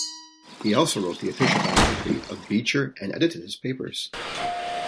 He also wrote the official biography of Beecher and edited his papers.